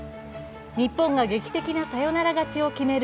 日本が劇的なサヨナラ勝ちを決める